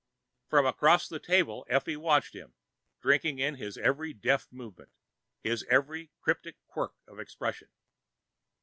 From across the table Effie watched him, drinking in his every deft movement, his every cryptic quirk of expression.